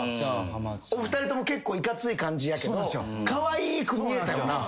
お二人とも結構いかつい感じやけどかわいく見えたよな最初っから。